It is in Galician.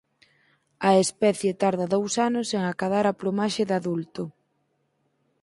A especie tarda dous anos en acadar a plumaxe de adulto.